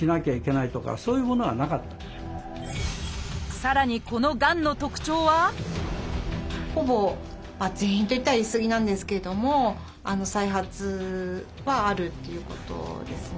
さらにこのがんの特徴は「ほぼ全員」と言ったら言い過ぎなんですけれども再発はあるっていうことですね。